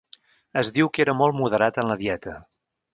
Es diu que era molt moderat en la dieta.